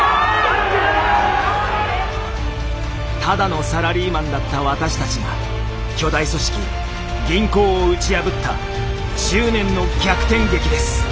ただのサラリーマンだった私たちが巨大組織銀行を打ち破った執念の逆転劇です。